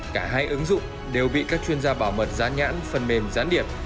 cả hai ứng dụng đều bị các chuyên gia bảo mật giá nhãn phần mềm gián điệp